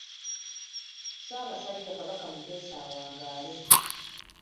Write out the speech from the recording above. Ssaabasajja Kabaka Mutesa awangaale.